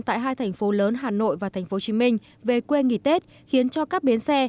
tại hai thành phố lớn hà nội và tp hcm về quê nghỉ tết khiến cho các bến xe